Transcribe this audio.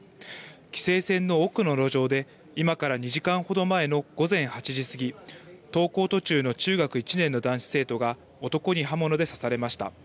規制線の奥の路上で今から２時間ほど前の午前８時過ぎ、登校途中の中学１年の男子生徒が男に刃物で刺されました。